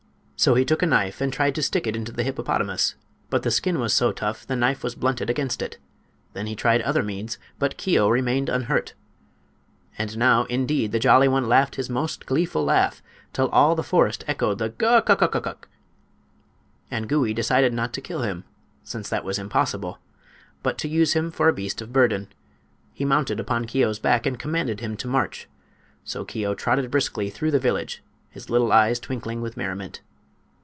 So he took a knife and tried to stick it into the hippopotamus, but the skin was so tough the knife was blunted against it. Then he tried other means; but Keo remained unhurt. And now indeed the Jolly One laughed his most gleeful laugh, till all the forest echoed the "guk uk uk uk uk!" And Gouie decided not to kill him, since that was impossible, but to use him for a beast of burden. He mounted upon Keo's back and commanded him to march. So Keo trotted briskly through the village, his little eyes twinkling with merriment.